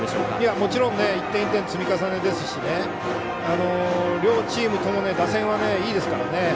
もちろん１点１点積み重ねですし両チームとも打線はいいですからね。